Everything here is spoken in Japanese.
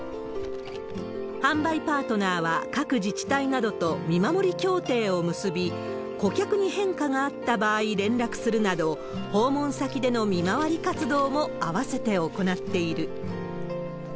販売パートナーは各自治体などと見守り協定を結び、顧客に変化があった場合連絡するなど、訪問先での見回り活動も併せて行っている。